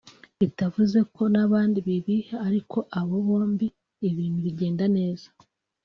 bitavuze ko n’abandi bibiha ariko abo bombi ibintu bigenda neza